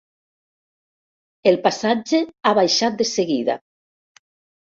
El passatge ha baixat de seguida.